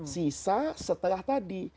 sisa setelah tadi